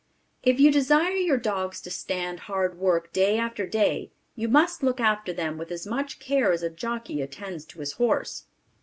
If you desire your dogs to stand hard work day after day you must look after them with as much care as a jockey attends to his horse.